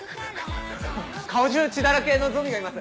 顔中血だらけのゾンビがいます。